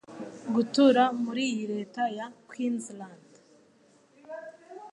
Gutura muri iyi leta ya Queensland